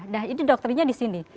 nah ini dokternya di sini